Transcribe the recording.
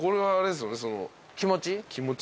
気持ち？